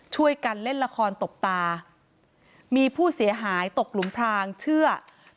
ช่วยกันเล่นละครตบตามีผู้เสียหายตกหลุมพรางเชื่อ